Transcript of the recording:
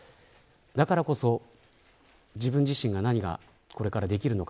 だからこそ自分自身が何が、これからできるのか。